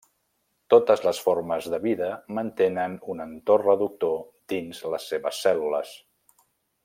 Totes les formes de vida mantenen un entorn reductor dins les seves cèl·lules.